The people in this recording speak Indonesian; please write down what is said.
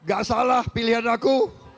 nggak salah pilihan aku